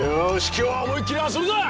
今日は思いっきり遊ぶぞ！